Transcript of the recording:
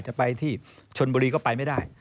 จะไปที่ชนบุรีก็ไปไม่ได้